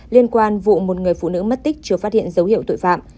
liên quan vụ một người phụ nữ mất tích chưa phát hiện dấu hiệu tội phạm